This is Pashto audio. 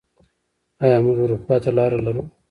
آیا موږ اروپا ته لاره لرو؟